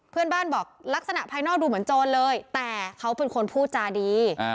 เพื่อนบ้านบอกลักษณะภายนอกดูเหมือนโจรเลยแต่เขาเป็นคนพูดจาดี